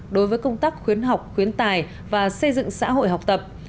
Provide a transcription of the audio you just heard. đối với công tác khuyến học khuyến tài và xây dựng xã hội học tập